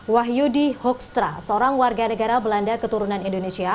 wahyudi hoekstra seorang warga negara belanda keturunan indonesia